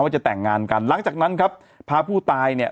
จะแต่งงานกันหลังจากนั้นครับพาผู้ตายเนี่ย